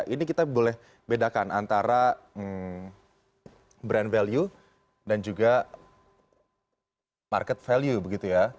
ini kita boleh bedakan antara brand value dan juga market value begitu ya